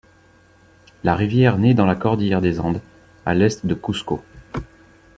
La rivière naît dans la Cordillère des Andes à à l'est de Cuzco.